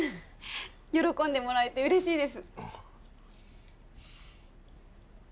喜んでもらえて嬉しいです